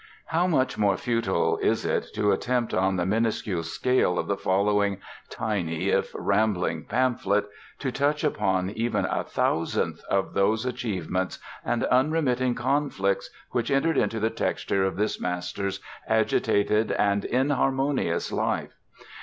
How much more futile is it to attempt on the minuscule scale of the following tiny, if rambling, pamphlet to touch upon even a thousandth of those achievements and unremitting conflicts which entered into the texture of this master's agitated and inharmonious life!